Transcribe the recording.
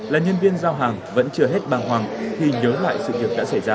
là nhân viên giao hàng vẫn chưa hết bàng hoàng khi nhớ lại sự việc đã xảy ra